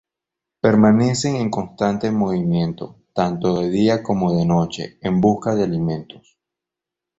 Permanecen en constante movimiento, tanto de día como de noche, en busca de alimento.